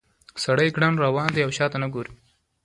سړی ګړندی روان دی او شاته نه ګوري.